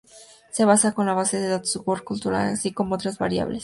Se basa en la base de datos World Cultural así como en otras variables.